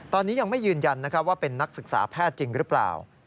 ตอนนี้ยังไม่ยืนยันว่าเป็นนักศึกษาแพทย์จริงหรือเปล่า